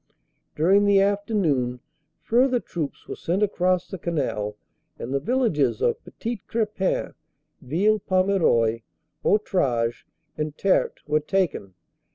During the afternoon, further troops were sent across the Canal, and the villages of Petit Crepin, Ville Pommerceuil, Hautrage and Terte were taken.